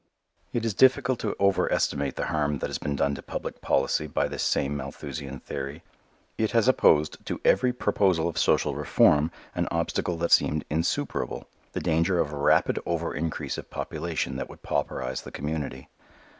It is difficult to over estimate the harm that has been done to public policy by this same Malthusian theory. It has opposed to every proposal of social reform an obstacle that seemed insuperable, the danger of a rapid overincrease of population that would pauperize the community.